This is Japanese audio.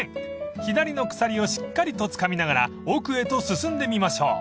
［左の鎖をしっかりとつかみながら奥へと進んでみましょう］